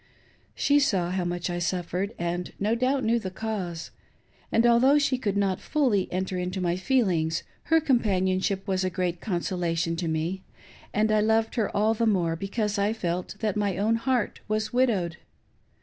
She saw how much I suffered, and no doubt knew the cause ; and, although she could not fully enter into my feelings, her companionship was a great consolation to me, and I loved her all the more because I felt that my own heart was widowed.